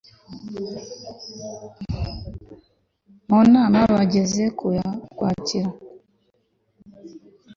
mu nama bagize ku ya – ukwakira